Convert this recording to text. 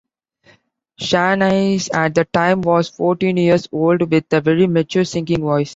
Shanice at the time was fourteen years old with a very mature singing voice.